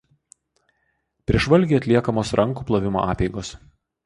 Prieš valgį atliekamos rankų plovimo apeigos.